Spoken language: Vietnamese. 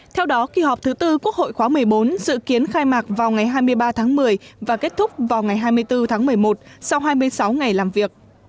theo đó kỳ họp thứ tư quốc hội khóa một mươi bốn dự kiến khai mạc vào ngày hai mươi ba tháng một mươi và kết thúc vào ngày hai mươi bốn tháng một mươi một sau hai mươi sáu ngày làm việc